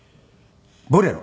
『ボレロ』？